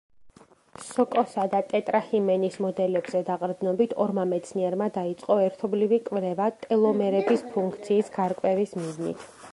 სოკოსა და ტეტრაჰიმენას მოდელებზე დაყრდნობით ორმა მეცნიერმა დაიწყო ერთობლივი კვლევა ტელომერების ფუნქციის გარკვევის მიზნით.